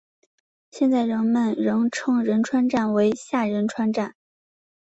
现在人们仍称仁川站为下仁川站。